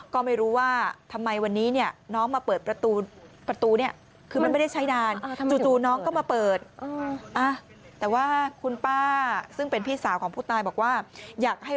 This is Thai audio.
ก็ไม่รู้ว่าทำไมวันนี้น้องมาเปิดประตูนี้